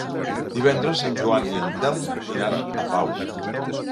Divendres en Joan i en Telm iran a Pau.